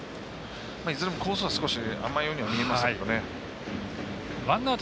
いずれのコースも少し甘いように見えましたが。